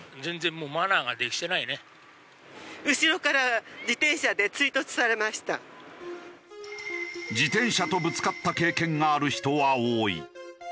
横行する自転車とぶつかった経験がある人は多い。